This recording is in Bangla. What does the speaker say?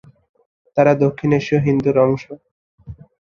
তারা দক্ষিণ এশীয় হিন্দুর অংশ।